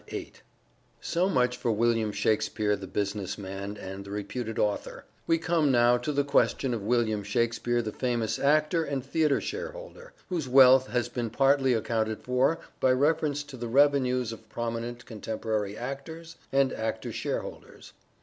VIII So much for William Shakspere the business man William and the reputed author : we come now to the question of William Shakspere the famous actor and theatre shareholder, whose wealth has been partly accounted for by reference to the revenues of prominent con temporary actors and actor shareholders.